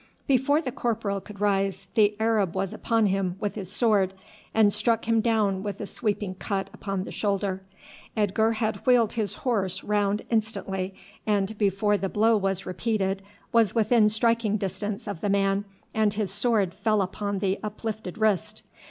Before the corporal could rise the Arab was upon him with his sword, and struck him down with a sweeping cut upon the shoulder. Edgar had wheeled his horse round instantly, and before the blow was repeated was within striking distance of the man and his sword fell upon the uplifted wrist.